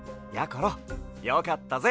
ころよかったぜ！